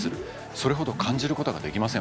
それほど感じることができません